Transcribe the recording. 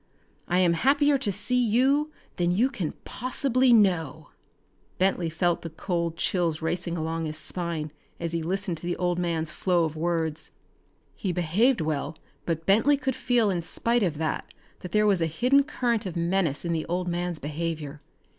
I am happier to see you than you can possibly know!" Bentley felt the cold chills racing along his spine as he listened to the old man's flow of words. He behaved well, but Bentley could feel in spite of that, that there was a hidden current of menace in the old man's behavior.